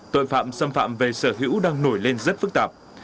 tội phạm xâm phạm về sở hữu đang nổi lên rất phức tạp